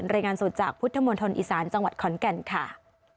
รายงานสดจากพุทธมณฑลอีสานจังหวัดขอนแก่นค่ะ